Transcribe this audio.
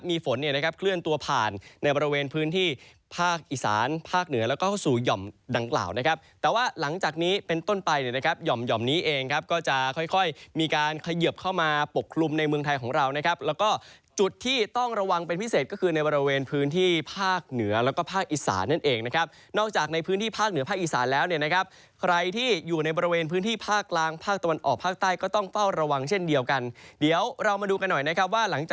มีการเขยิบเข้ามาปกคลุมในเมืองไทยของเรานะครับแล้วก็จุดที่ต้องระวังเป็นพิเศษก็คือในบริเวณพื้นที่ภาคเหนือแล้วก็ภาคอีสานั่นเองนะครับนอกจากในพื้นที่ภาคเหนือภาคอีสานแล้วเนี่ยนะครับใครที่อยู่ในบริเวณพื้นที่ภาคล่างภาคตะวันออกภาคใต้ก็ต้องเฝ้าระวังเช่นเดียวกันเดี๋ยวเรามา